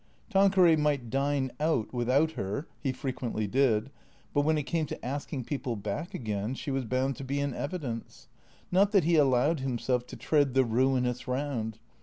Tanqueray might dine " out " without her (he frequently did), but when it came to asking people back again she was bound to be in evidence. Not that he allowed himself to tread the ruinous round.